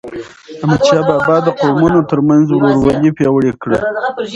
احمدشاه بابا د قومونو ترمنځ ورورولي پیاوړی کړه.